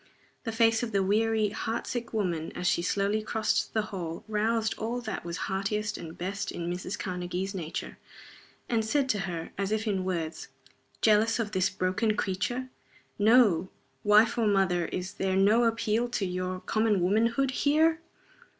The face of the weary, heart sick woman, as she slowly crossed the hall, roused all that was heartiest and best in Mrs. Karnegie's nature, and said to her, as if in words, "Jealous of this broken creature? Oh, wife and mother is there no appeal to your common womanhood _here?